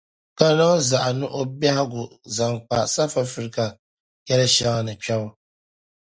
Ka niŋ zaɣa ni o biɛhigu zaŋ kpa South Africa yɛli shɛŋa ni kpɛbu.